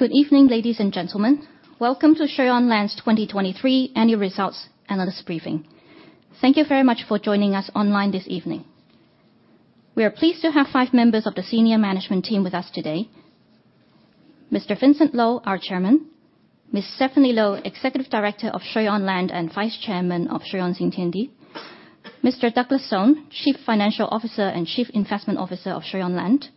Good evening, ladies and gentlemen. Welcome to Shui On Land's 2023 Annual Results Analyst Briefing. Thank you very much for joining us online this evening. We are pleased to have five members of the senior management team with us today: Mr. Vincent Lo, our chairman; Ms. Stephanie Lo, Executive Director of Shui On Land and Vice Chairman of Shui On Xintiandi; Mr. Douglas Sung, Chief Financial Officer and Chief Investment Officer of Shui On Land;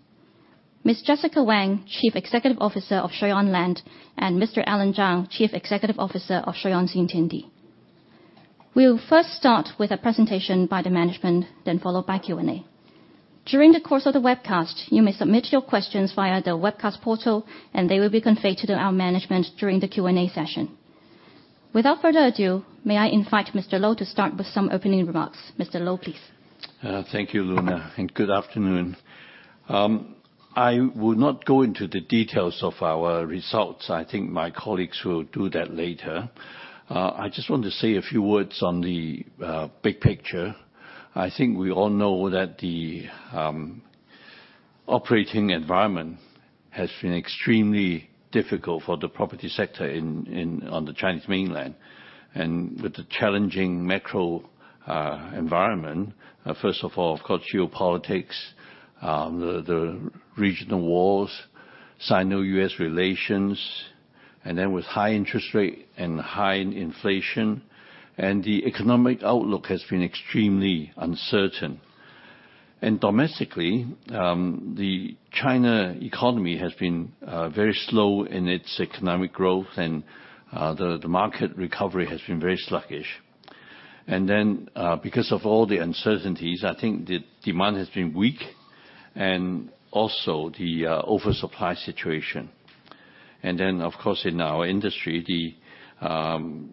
Ms. Jessica Wang, Chief Executive Officer of Shui On Land; and Mr. Allan Zhang, Chief Executive Officer of Shui On Xintiandi. We will first start with a presentation by the management, then followed by Q&A. During the course of the webcast, you may submit your questions via the webcast portal, and they will be conveyed to our management during the Q&A session. Without further ado, may I invite Mr. Lo to start with some opening remarks. Mr. Lo, please. Thank you, Luna, and good afternoon. I will not go into the details of our results. I think my colleagues will do that later. I just want to say a few words on the big picture. I think we all know that the operating environment has been extremely difficult for the property sector on the Chinese mainland. With the challenging macro environment, first of all, of course, geopolitics, the regional wars, Sino-US relations, and then with high interest rates and high inflation, the economic outlook has been extremely uncertain. Domestically, the Chinese economy has been very slow in its economic growth, and the market recovery has been very sluggish. Because of all the uncertainties, I think the demand has been weak, and also the oversupply situation. Of course, in our industry, the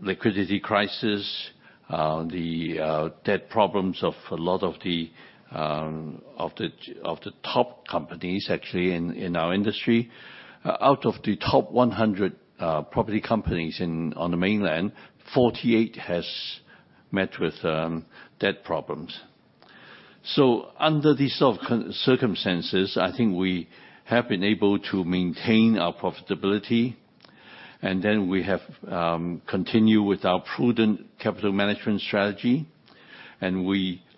liquidity crisis, the debt problems of a lot of the top companies in our industry, out of the top 100 property companies on the mainland, 48 have met with debt problems. Under these circumstances, I think we have been able to maintain our profitability, and then we have continued with our prudent capital management strategy.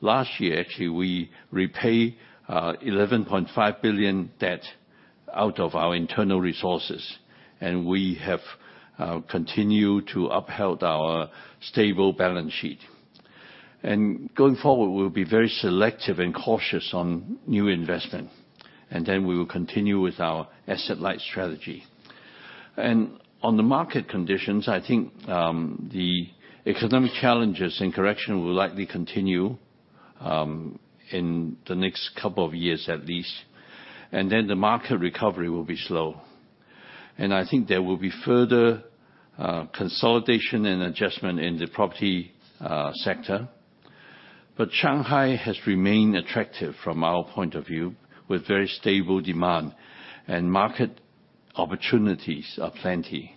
Last year, we repaid $11.5 billion debt out of our internal resources, and we have continued to uphold our stable balance sheet. Going forward, we will be very selective and cautious on new investments, and then we will continue with our asset-light strategy. On the market conditions, I think the economic challenges and correction will likely continue in the next couple of years, at least. The market recovery will be slow. I think there will be further consolidation and adjustment in the property sector. Shanghai has remained attractive from our point of view, with very stable demand and market opportunities are plenty.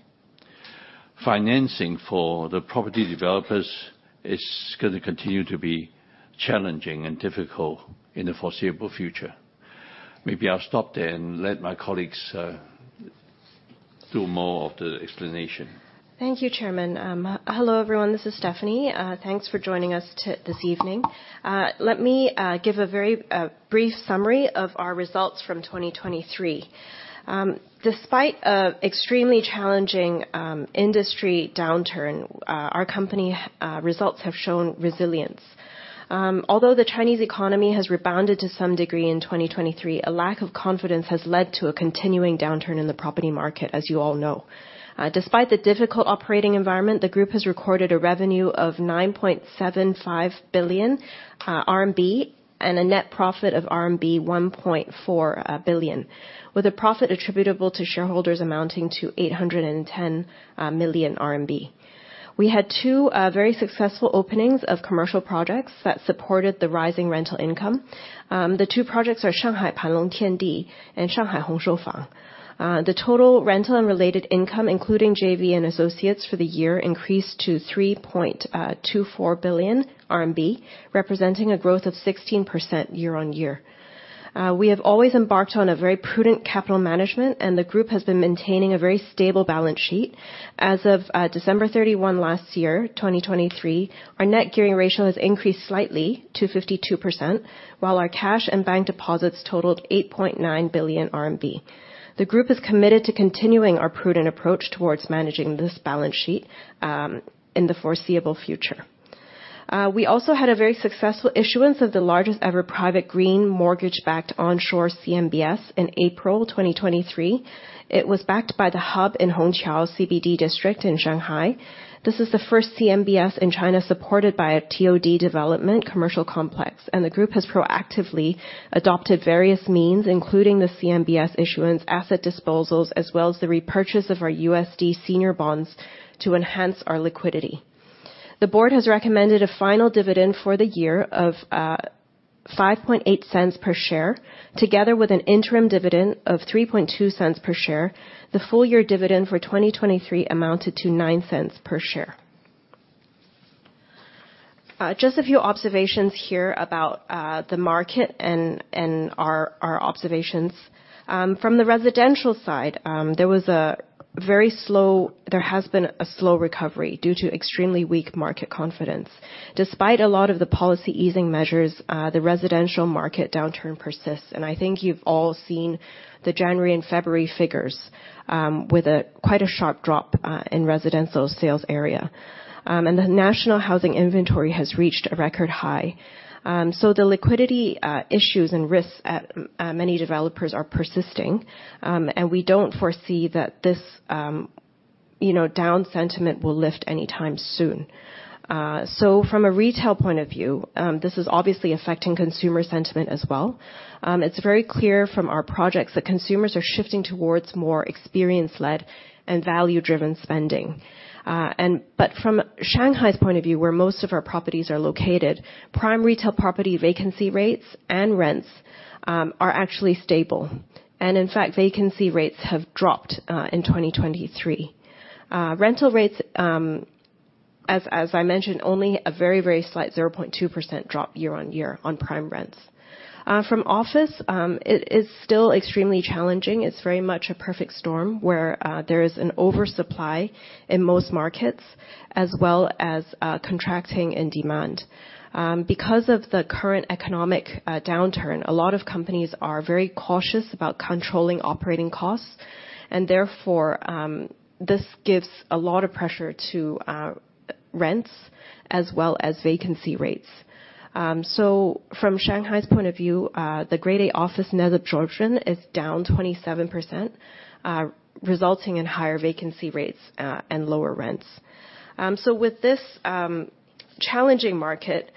Financing for the property developers is going to continue to be challenging and difficult in the foreseeable future. Maybe I will stop there and let my colleagues do more of the explanation. Thank you, Chairman. Hello, everyone. This is Stephanie. Thanks for joining us this evening. Let me give a very brief summary of our results from 2023. Despite an extremely challenging industry downturn, our company results have shown resilience. Although the Chinese economy has rebounded to some degree in 2023, a lack of confidence has led to a continuing downturn in the property market, as you all know. Despite the difficult operating environment, the group has recorded a revenue of 9.75 billion RMB and a net profit of RMB 1.4 billion, with a profit attributable to shareholders amounting to 810 million RMB. We had two very successful openings of commercial projects that supported the rising rental income. The two projects are Shanghai Panlong Tiandi and Shanghai Hong Shou Fang. The total rental and related income, including JV and associates, for the year increased to 3.24 billion RMB, representing a growth of 16% year-on-year. We have always embarked on a very prudent capital management, and the group has been maintaining a very stable balance sheet. As of December 31 last year, 2023, our net gearing ratio has increased slightly to 52%, while our cash and bank deposits totaled 8.9 billion RMB. The group is committed to continuing our prudent approach towards managing this balance sheet in the foreseeable future. We also had a very successful issuance of the largest-ever private green mortgage-backed onshore CMBS in April 2023. It was backed by The Hub in Hongqiao CBD District in Shanghai. This is the first CMBS in China supported by a TOD development commercial complex, and the group has proactively adopted various means, including the CMBS issuance, asset disposals, as well as the repurchase of our USD senior bonds to enhance our liquidity. The board has recommended a final dividend for the year of $0.05 per share, together with an interim dividend of $0.03 per share. The full-year dividend for 2023 amounted to $0.09 per share. Just a few observations here about the market and our observations. From the residential side, there has been a slow recovery due to extremely weak market confidence. Despite a lot of the policy easing measures, the residential market downturn persists. I think you have all seen the January and February figures, with quite a sharp drop in residential sales area. The national housing inventory has reached a record high. The liquidity issues and risks at many developers are persisting, and we do not foresee that this down sentiment will lift anytime soon. From a retail point of view, this is obviously affecting consumer sentiment as well. It is very clear from our projects that consumers are shifting towards more experience-led and value-driven spending. But from Shanghai's point of view, where most of our properties are located, prime retail property vacancy rates and rents are actually stable. In fact, vacancy rates have dropped in 2023. Rental rates, as I mentioned, only a very, very slight 0.2% drop year-on-year on prime rents. From office, it is still extremely challenging. It is very much a perfect storm where there is an oversupply in most markets, as well as contracting in demand. Because of the current economic downturn, a lot of companies are very cautious about controlling operating costs, and therefore this gives a lot of pressure to rents, as well as vacancy rates. From Shanghai's point of view, the Grade A office net absorption is down 27%, resulting in higher vacancy rates and lower rents. With this no challenging market,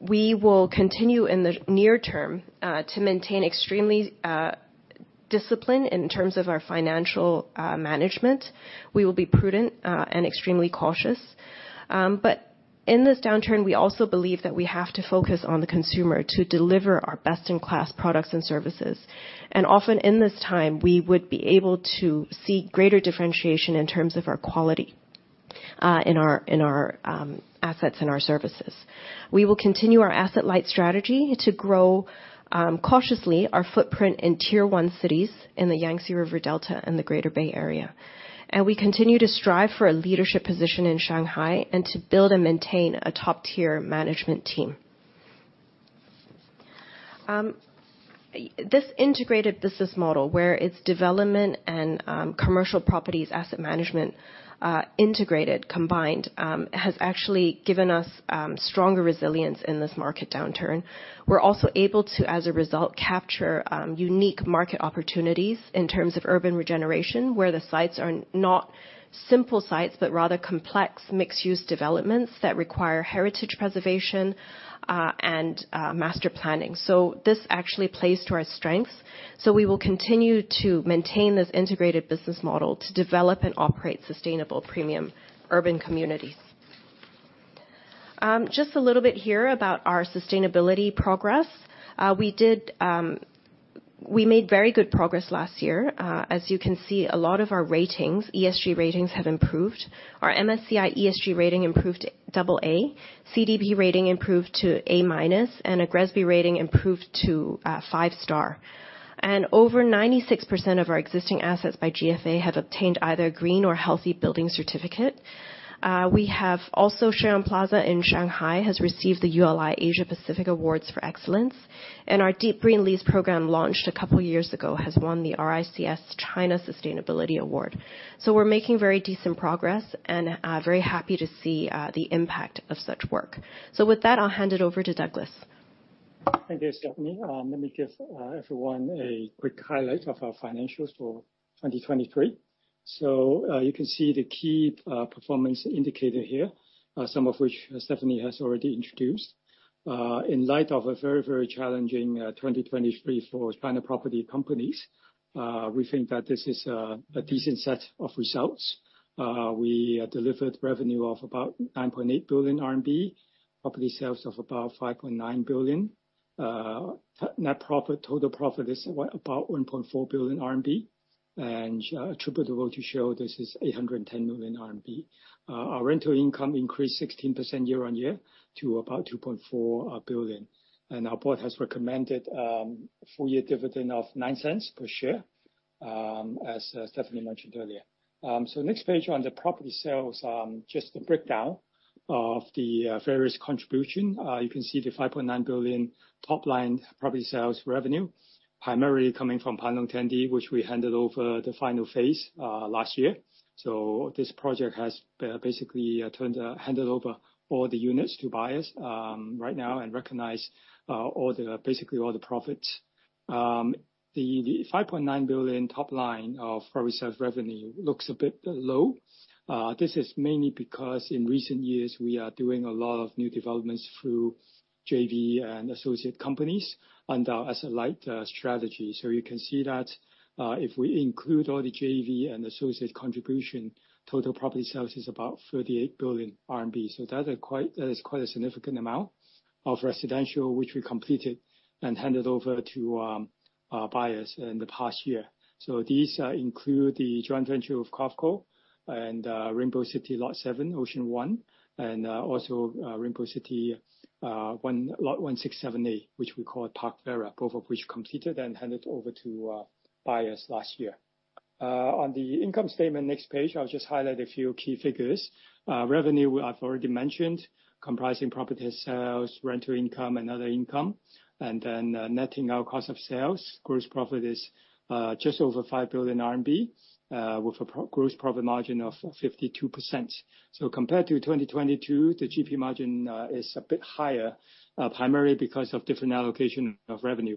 we will continue in the near term to maintain extremely discipline in terms of our financial management. We will be prudent and extremely cautious. But in this downturn, we also believe that we have to focus on the consumer to deliver our best-in-class products and services. Often, in this time, we would be able to see greater differentiation in terms of our quality in our assets and our services. We will continue our asset-light strategy to grow cautiously our footprint in Tier 1 cities in the Yangtze River Delta and the Greater Bay Area. We continue to strive for a leadership position in Shanghai and to build and maintain a top-tier management team. This integrated business model, where its development and commercial properties asset management integrated, combined, has actually given us stronger resilience in this market downturn. We are also able to, as a result, capture unique market opportunities in terms of urban regeneration, where the sites are not simple sites but rather complex mixed-use developments that require heritage preservation and master planning. This actually plays to our strengths. We will continue to maintain this integrated business model to develop and operate sustainable premium urban communities. Just a little bit here about our sustainability progress. We made very good progress last year. As you can see, a lot of our ratings, ESG ratings, have improved. Our MSCI ESG rating improved to AA, CDP rating improved to A-, and a GRESB rating improved to 5-star. Over 96% of our existing assets by GFA have obtained either a green or healthy building certificate. We have also Shui On Plaza in Shanghai has received the ULI Asia Pacific Awards for Excellence, and our Deep Green Lease program launched a couple of years ago has won the RICS China Sustainability Award. We are making very decent progress and very happy to see the impact of such work. With that, I will hand it over to Douglas. Thank you, Stephanie. Let me give everyone a quick highlight of our financials for 2023. You can see the key performance indicator here, some of which Stephanie has already introduced. In light of a very, very challenging 2023 for China property companies, we think that this is a decent set of results. We delivered revenue of about 9.8 billion RMB, property sales of about 5.9 billion, net profit, total profit is about 1.4 billion RMB, and attributable to shareholders is 810 million RMB. Our rental income increased 16% year-over-year to about 2.4 billion. Our board has recommended a full-year dividend of $0.09 per share, as Stephanie mentioned earlier. Next page on the property sales, just a breakdown of the various contributions. You can see the 5.9 billion top-line property sales revenue, primarily coming from Panlong Tiandi, which we handed over the final phase last year. This project has basically handed over all the units to buyers right now and recognized basically all the profits. The 5.9 billion top-line of property sales revenue looks a bit low. This is mainly because in recent years we are doing a lot of new developments through JV and associate companies under our asset-light strategy. You can see that if we include all the JV and associate contributions, total property sales is about 38 billion RMB. That is quite a significant amount of residential, which we completed and handed over to buyers in the past year. These include the joint venture of KIC and Rainbow City Lot 7, Ocean One, and also Rainbow City Lot 167A, which we call Park Vera, both of which completed and handed over to buyers last year. On the income statement next page, I will just highlight a few key figures. Revenue, I have already mentioned, comprising property sales, rental income, and other income. Then netting out cost of sales, gross profit is just over 5 billion RMB, with a gross profit margin of 52%. Compared to 2022, the GP margin is a bit higher, primarily because of different allocation of revenue.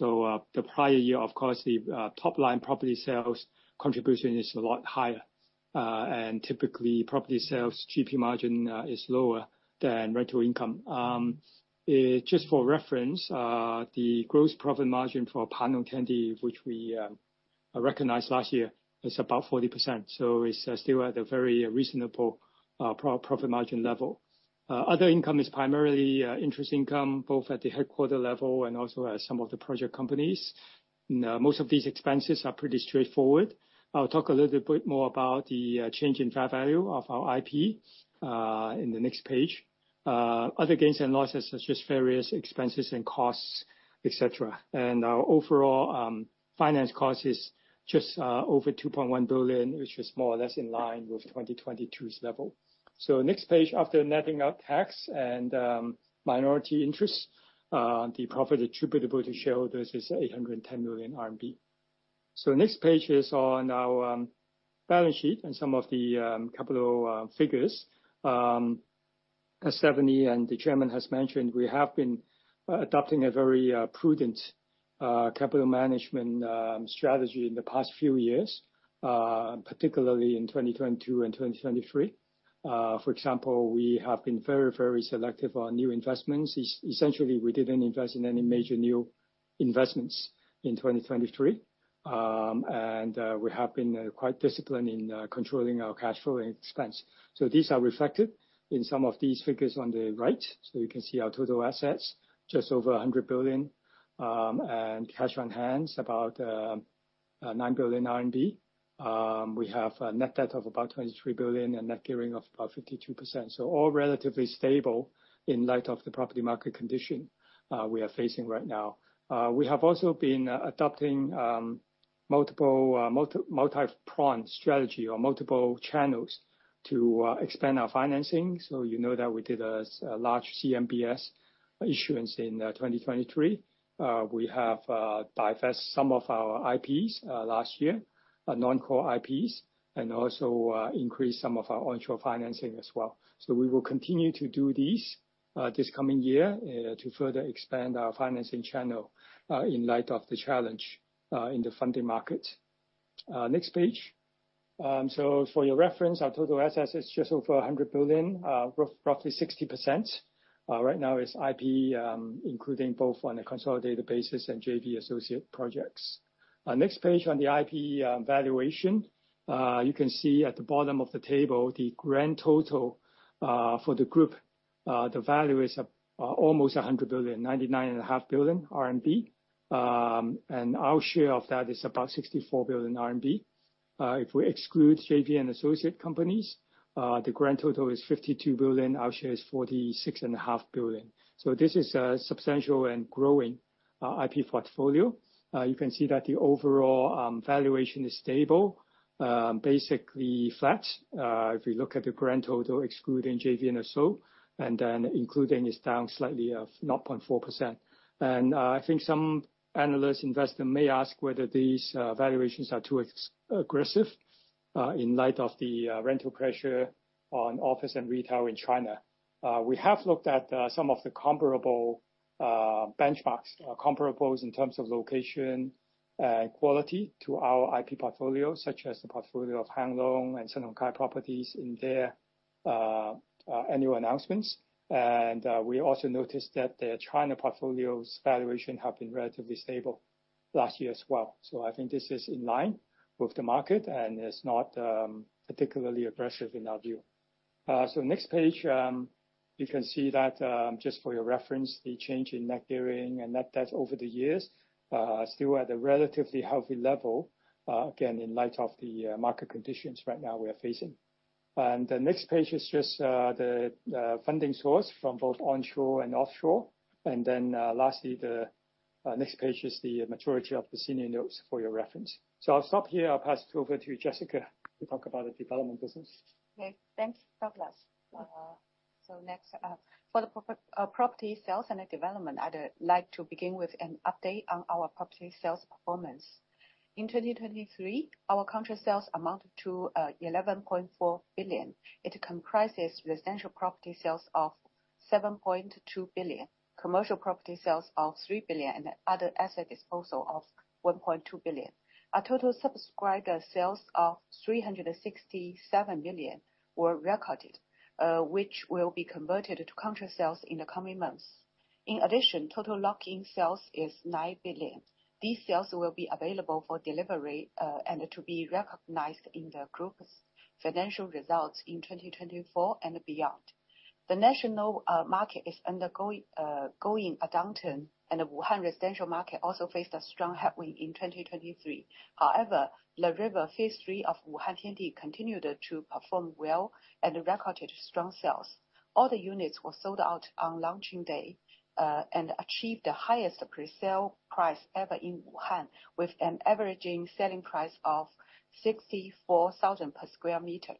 The prior year, of course, the top-line property sales contribution is a lot higher, and typically property sales GP margin is lower than rental income. Just for reference, the gross profit margin for Panlong Tiandi, which we recognized last year, is about 40%. It is still at a very reasonable profit margin level. Other income is primarily interest income, both at the headquarters level and also at some of the project companies. Most of these expenses are pretty straightforward. I will talk a little bit more about the change in fair value of our IP in the next page. Other gains and losses are just various expenses and costs, etc. Our overall finance cost is just over 2.1 billion, which is more or less in line with 2022's level. Next page, after netting out tax and minority interest, the profit attributable to shareholders is 810 million RMB. Next page is on our balance sheet and some of the capital figures. As Stephanie and the Chairman have mentioned, we have been adopting a very prudent capital management strategy in the past few years, particularly in 2022 and 2023. For example, we have been very, very selective on new investments. Essentially, we did not invest in any major new investments in 2023, and we have been quite disciplined in controlling our cash flow and expense. These are reflected in some of these figures on the right. You can see our total assets, just over 100 billion, and cash on hand, about 9 billion RMB. We have a net debt of about 23 billion and net gearing of about 52%. All relatively stable in light of the property market condition we are facing right now. We have also been adopting multiple multi-pronged strategy or multiple channels to expand our financing. You know that we did a large CMBS issuance in 2023. We have divested some of our IPs last year, non-core IPs, and also increased some of our onshore financing as well. We will continue to do this this coming year to further expand our financing channel in light of the challenge in the funding market. Next page. For your reference, our total assets is just over 100 billion, roughly 60%. Right now, it is IP, including both on a consolidated basis and JV associate projects. Next page on the IP valuation. You can see at the bottom of the table, the grand total for the group, the value is almost 100 billion, 99.5 billion RMB. Our share of that is about 64 billion RMB. If we exclude JV and associate companies, the grand total is 52 billion. Our share is 46.5 billion. This is a substantial and growing IP portfolio. You can see that the overall valuation is stable, basically flat if you look at the grand total excluding JV and associates, and then including is down slightly of 0.4%. I think some analysts, investors, may ask whether these valuations are too aggressive in light of the rental pressure on office and retail in China. We have looked at some of the comparable benchmarks, comparables in terms of location and quality to our IP portfolio, such as the portfolio of Hang Lung Properties and Sun Hung Kai Properties in their annual announcements. We also noticed that their China portfolio's valuation has been relatively stable last year as well. I think this is in line with the market and is not particularly aggressive in our view. Next page. You can see that, just for your reference, the change in net gearing and net debt over the years is still at a relatively healthy level, again, in light of the market conditions right now we are facing. The next page is just the funding source from both onshore and offshore. Then lastly, the next page is the maturity of the senior notes for your reference. I will stop here. I will pass it over to Jessica to talk about the development business. Okay. Thanks, Douglas. Next, for the property sales and development, I would like to begin with an update on our property sales performance. In 2023, our contract sales amounted to 11.4 billion. It comprises residential property sales of 7.2 billion, commercial property sales of 3 billion, and other asset disposal of 1.2 billion. Our total subscriber sales of 367 million were recorded, which will be converted to contract sales in the coming months. In addition, total lock-in sales is 9 billion. These sales will be available for delivery and to be recognized in the group's financial results in 2024 and beyond. The national market is undergoing a downturn, and the Wuhan residential market also faced a strong headwind in 2023. However, the River Phase 3 of Wuhan Tiandi continued to perform well and recorded strong sales. All the units were sold out on launching day and achieved the highest presale price ever in Wuhan, with an average selling price of 64,000 per square meter.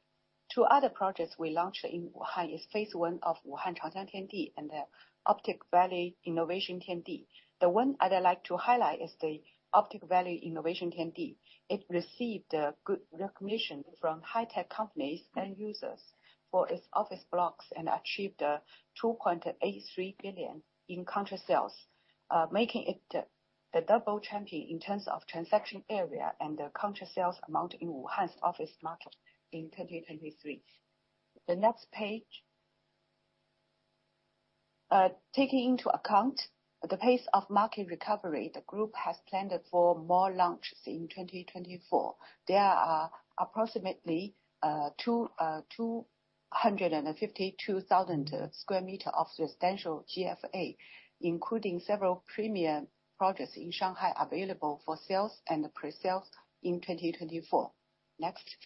Two other projects we launched in Wuhan are Phase 1 of Wuhan Changjiang Tiandi and the Optic Valley Innovation Tiandi. The one I would like to highlight is the Optic Valley Innovation Tiandi. It received good recognition from high-tech companies and users for its office blocks and achieved 2.83 billion in contract sales, making it the double champion in terms of transaction area and the contract sales amount in Wuhan's office market in 2023. The next page. Taking into account the pace of market recovery, the group has planned for more launches in 2024. There are approximately 252,000 square meters of residential GFA, including several premium projects in Shanghai available for sales and presales in 2024. Next.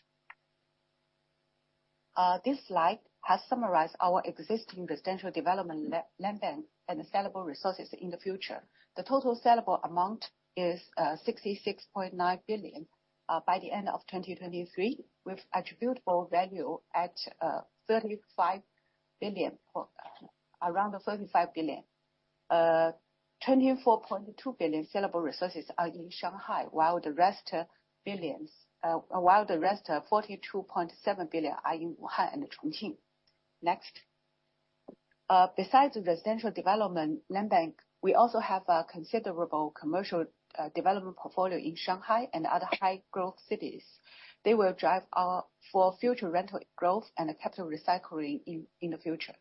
This slide has summarized our existing residential development land bank and the sellable resources in the future. The total sellable amount is 66.9 billion by the end of 2023, with attributable value at around 35 billion. 24.2 billion sellable resources are in Shanghai, while the rest of 42.7 billion are in Wuhan and Chongqing. Next. Besides residential development land bank, we also have a considerable commercial development portfolio in Shanghai and other high-growth cities. They will drive our future rental growth and capital recycling in the future.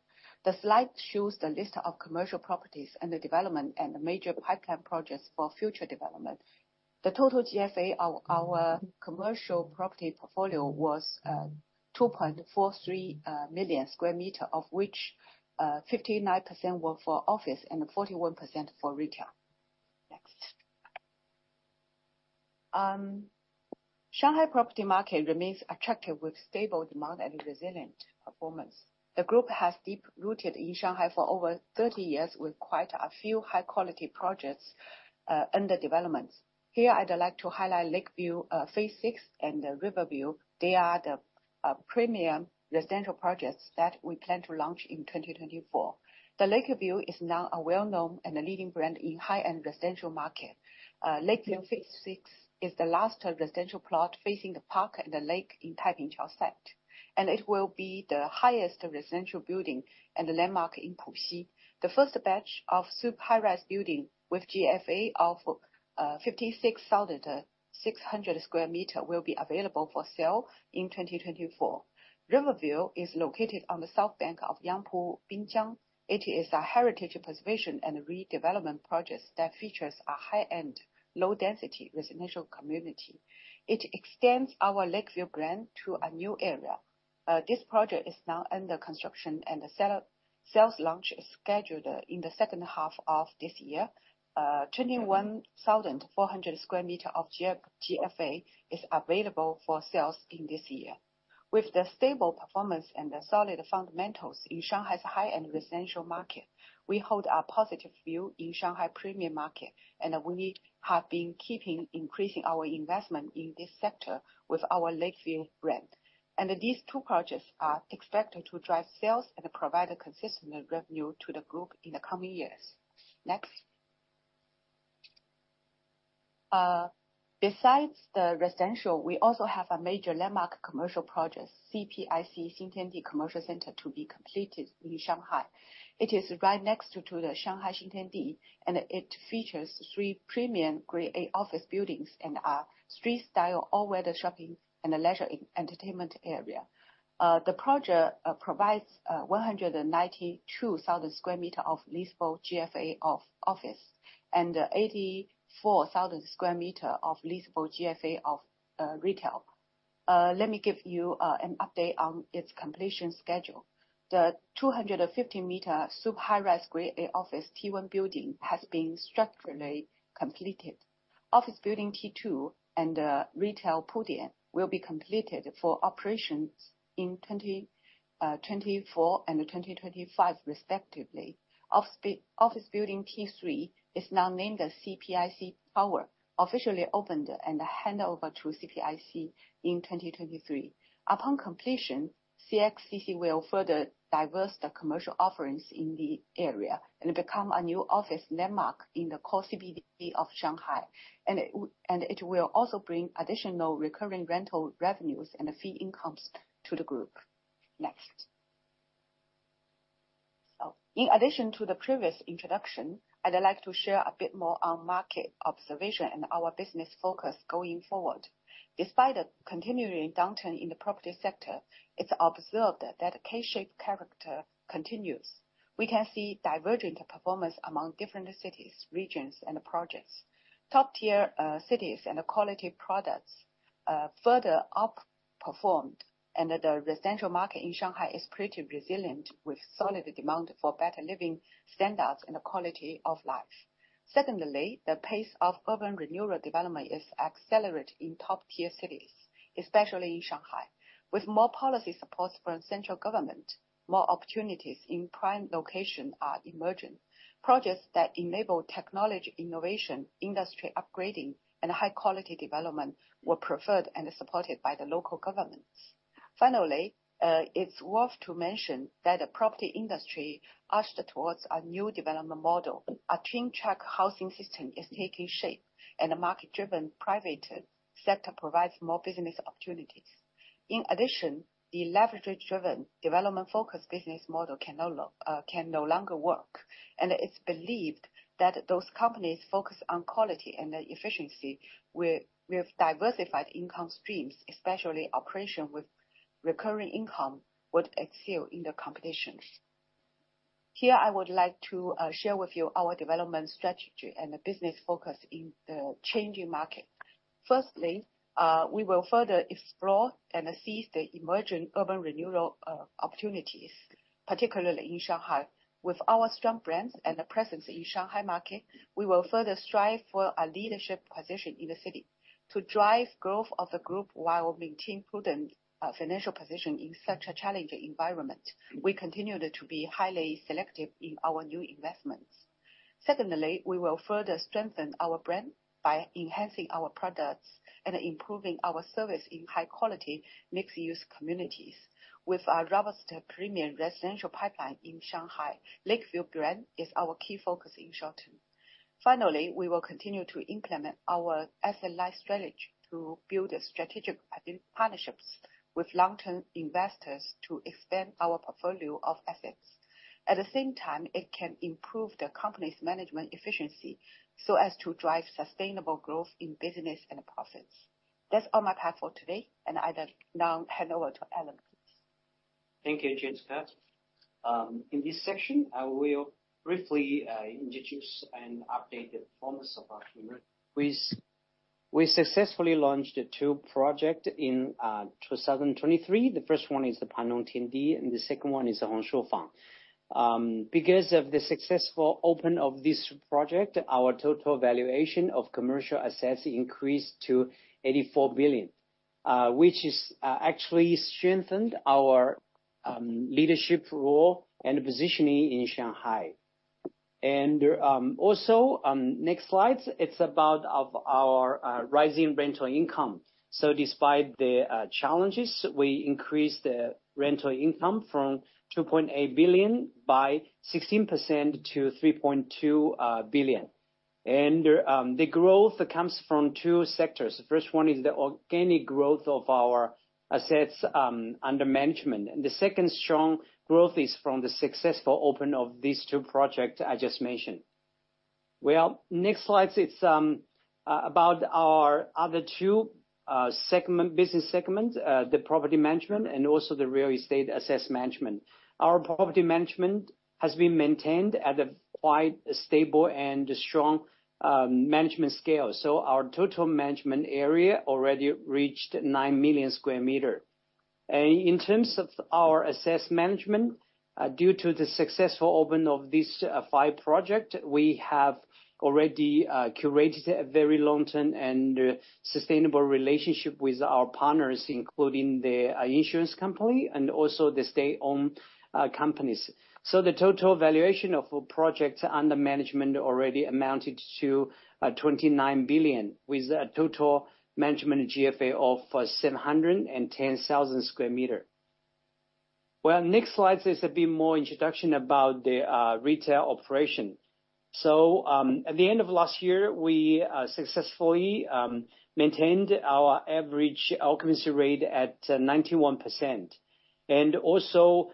The slide shows the list of commercial properties and the development and the major pipeline projects for future development. The total GFA of our commercial property portfolio was 2.43 million square meters, of which 59% were for office and 41% for retail. Next. Shanghai property market remains attractive with stable demand and resilient performance. The group has deep-rooted in Shanghai for over 30 years, with quite a few high-quality projects under development. Here, I would like to highlight Lakeville Phase 6 and Riverville. They are the premium residential projects that we plan to launch in 2024. The Lakeville is now a well-known and a leading brand in the high-end residential market. Lakeville Phase 6 is the last residential plot facing the park and the lake in Taipingqiao site. It will be the highest residential building and landmark in Puxi. The first batch of super high-rise buildings with GFA of 56,600 square meters will be available for sale in 2024. Riverville is located on the south bank of Yangpu Binjiang. It is a heritage preservation and redevelopment project that features a high-end, low-density residential community. It extends our Lakeville brand to a new area. This project is now under construction, and the sales launch is scheduled in the second half of this year. 21,400 sq m of GFA is available for sales in this year. With the stable performance and the solid fundamentals in Shanghai's high-end residential market, we hold a positive view in Shanghai premium market, and we have been keeping increasing our investment in this sector with our Lakeville brand. These two projects are expected to drive sales and provide consistent revenue to the group in the coming years. Next. Besides the residential, we also have a major landmark commercial project, CPIC Xintiandi Commercial Center, to be completed in Shanghai. It is right next to the Shanghai Xintiandi, and it features three premium Grade A office buildings and a street-style all-weather shopping and leisure entertainment area. The project provides 192,000 square meters of leasable GFA of office and 84,000 square meters of leasable GFA of retail. Let me give you an update on its completion schedule. The 250-meter super high-rise Grade A office T1 building has been structurally completed. Office building T2 and the retail podium will be completed for operations in 2024 and 2025, respectively. Office building T3 is now named CPIC Tower, officially opened and handed over to CPIC in 2023. Upon completion, CXCC will further diversify the commercial offerings in the area and become a new office landmark in the core CBD of Shanghai. It will also bring additional recurring rental revenues and fee income to the group. Next. In addition to the previous introduction, I would like to share a bit more on market observation and our business focus going forward. Despite a continuing downturn in the property sector, it's observed that the K-shaped character continues. We can see divergent performance among different cities, regions, and projects. Top-tier cities and quality products further outperformed, and the residential market in Shanghai is pretty resilient with solid demand for better living standards and quality of life. Secondly, the pace of urban renewal development is accelerated in top-tier cities, especially in Shanghai. With more policy support from central government, more opportunities in prime locations are emerging. Projects that enable technology innovation, industry upgrading, and high-quality development were preferred and supported by the local governments. Finally, it's worth to mention that the property industry ushered towards a new development model. A twin-track housing system is taking shape, and a market-driven private sector provides more business opportunities. In addition, the leverage-driven development-focused business model can no longer work, and it's believed that those companies focused on quality and efficiency with diversified income streams, especially operations with recurring income, would excel in the competition. Here, I would like to share with you our development strategy and the business focus in the changing market. Firstly, we will further explore and seize the emerging urban regeneration opportunities, particularly in Shanghai. With our strong brands and the presence in the Shanghai market, we will further strive for a leadership position in the city. To drive growth of the group while maintaining a prudent financial position in such a challenging environment, we continue to be highly selective in our new investments. Secondly, we will further strengthen our brand by enhancing our products and improving our service in high-quality mixed-use communities. With our robust premium residential pipeline in Shanghai, Lakeville brand is our key focus in the short term. Finally, we will continue to implement our asset-light strategy to build strategic partnerships with long-term investors to expand our portfolio of assets. At the same time, it can improve the company's management efficiency so as to drive sustainable growth in business and profits. That's all my part for today, and I would like to now hand over to Allan, please. Thank you, Jessica. In this section, I will briefly introduce and update the performance of our team. We successfully launched two projects in 2023. The first one is the Panlong Tiandi, and the second one is the Hong Shou Fang. Because of the successful opening of this project, our total valuation of commercial assets increased to $84 billion, which actually strengthened our leadership role and positioning in Shanghai. Also, next slide, it's about our rising rental income. Despite the challenges, we increased the rental income from $2.8 billion by 16% to $3.2 billion. The growth comes from two sectors. The first one is the organic growth of our assets under management, and the second strong growth is from the successful opening of these two projects I just mentioned. Next slide, it's about our other two business segments, the property management and also the real estate asset management. Our property management has been maintained at a quite stable and strong management scale. Our total management area already reached 9 million square meters. In terms of our asset management, due to the successful opening of these five projects, we have already curated a very long-term and sustainable relationship with our partners, including the insurance company and also the state-owned companies. The total valuation of projects under management already amounted to $29 billion, with a total management GFA of 710,000 square meters. Next slide, it's a bit more introduction about the retail operation. At the end of last year, we successfully maintained our average occupancy rate at 91%. Also,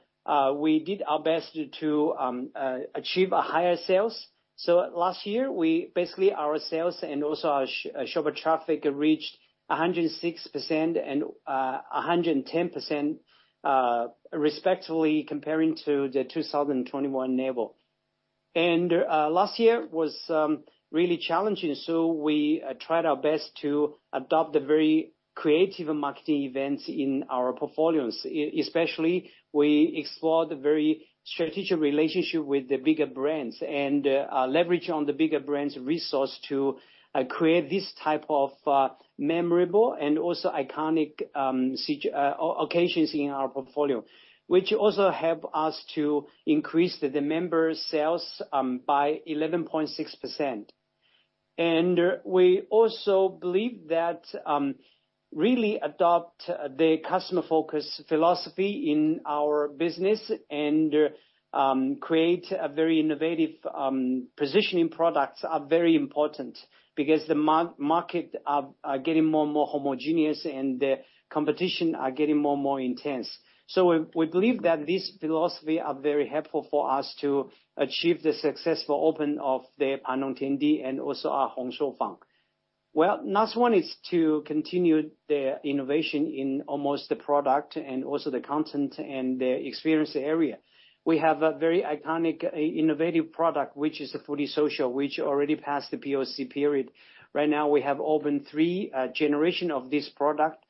we did our best to achieve higher sales. Last year, basically, our sales and also our shopper traffic reached 106% and 110%, respectively, comparing to the 2021 level. Last year was really challenging, so we tried our best to adopt very creative marketing events in our portfolios. Especially, we explored a very strategic relationship with the bigger brands and leveraged the bigger brands' resources to create this type of memorable and also iconic occasions in our portfolio, which also helped us to increase the member sales by 11.6%. We also believe that really adopting the customer-focused philosophy in our business and creating very innovative positioning products are very important because the markets are getting more and more homogeneous, and the competition is getting more and more intense. We believe that this philosophy is very helpful for us to achieve the successful opening of the Panlong Tiandi and also our Hong Shou Fang. The next one is to continue the innovation in almost the product and also the content and the experience area. We have a very iconic, innovative product, which is Foodie Social, which already passed the POC period. Right now, we have opened three generations of this product.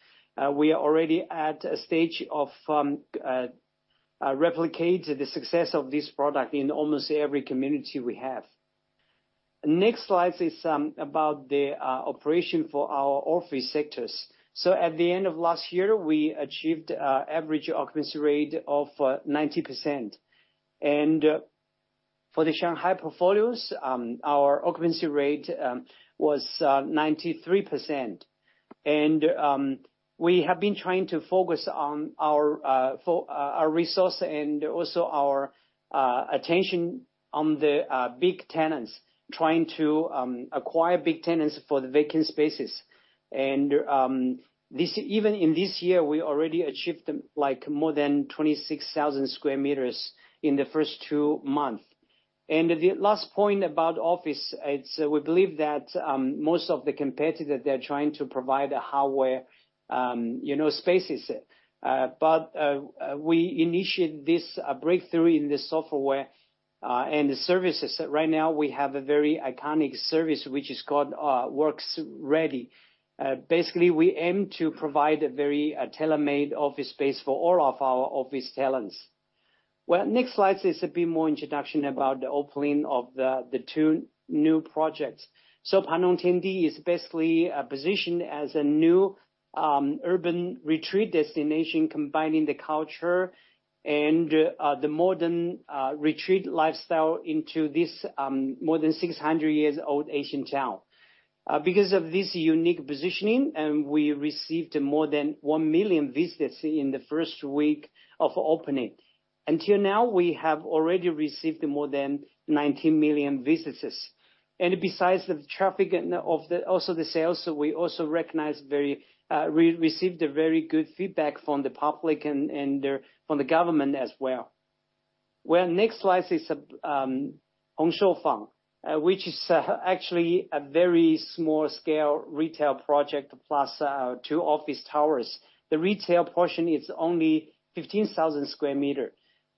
We are already at a stage of replicating the success of this product in almost every community we have. Next slide is about the operation for our office sectors. At the end of last year, we achieved an average occupancy rate of 90%. For the Shanghai portfolios, our occupancy rate was 93%. We have been trying to focus on our resources and also our attention on the big tenants, trying to acquire big tenants for the vacant spaces. Even in this year, we already achieved more than 26,000 sq m in the first two months. The last point about office, we believe that most of the competitors, they're trying to provide hardware spaces. But we initiated this breakthrough in the software and the services. Right now, we have a very iconic service, which is called WORKX Ready. Basically, we aim to provide a very tailor-made office space for all of our office tenants. Next slide is a bit more introduction about the opening of the two new projects. Panlong Tiandi is basically positioned as a new urban retreat destination, combining the culture and the modern retreat lifestyle into this more than 600-year-old Asian town. Because of this unique positioning, we received more than 1 million visits in the first week of opening. Until now, we have already received more than 19 million visits. Besides the traffic and also the sales, we also received very good feedback from the public and from the government as well. Next slide is Hong Shou Fang, which is actually a very small-scale retail project plus two office towers. The retail portion is only 15,000 square meters.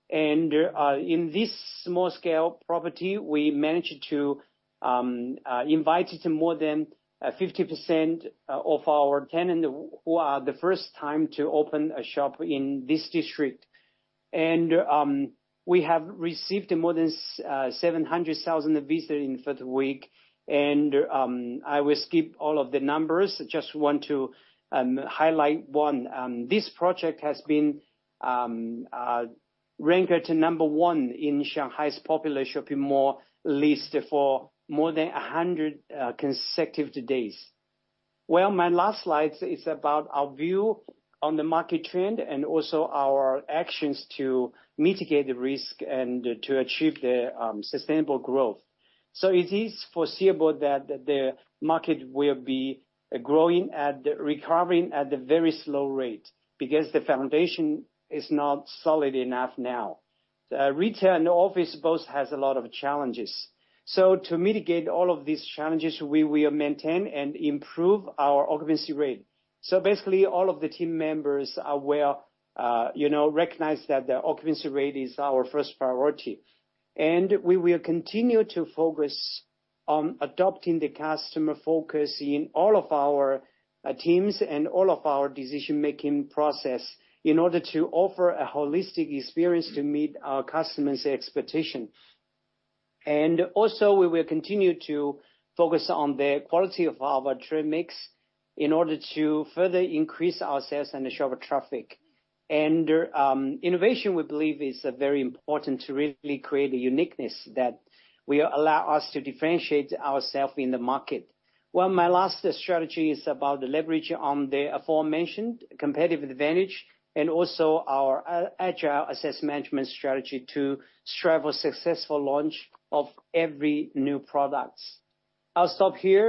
In this small-scale property, we managed to invite more than 50% of our tenants who are the first time to open a shop in this district. We have received more than 700,000 visits in the first week. I will skip all of the numbers. I just want to highlight one. This project has been ranked at number one in Shanghai's popular shopping mall list for more than 100 consecutive days. My last slide is about our view on the market trend and also our actions to mitigate the risk and to achieve sustainable growth. It is foreseeable that the market will be growing and recovering at a very slow rate because the foundation is not solid enough now. Retail and office both have a lot of challenges. To mitigate all of these challenges, we will maintain and improve our occupancy rate. Basically, all of the team members recognize that the occupancy rate is our first priority. We will continue to focus on adopting the customer focus in all of our teams and all of our decision-making processes in order to offer a holistic experience to meet our customers' expectations. Also, we will continue to focus on the quality of our trade mix in order to further increase our sales and shopper traffic. Innovation, we believe, is very important to really create a uniqueness that will allow us to differentiate ourselves in the market. My last strategy is about leveraging the aforementioned competitive advantage and also our agile asset management strategy to strive for a successful launch of every new product. I'll stop here.